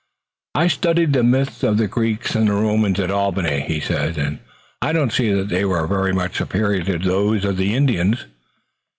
"I studied the myths of the Greeks and Romans at Albany," he said, "and I don't see that they were very much superior to those of the Indians."